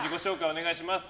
お願いします。